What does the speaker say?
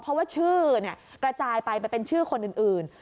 เพราะว่าชื่อกระจายไปไปเป็นชื่อคนอื่น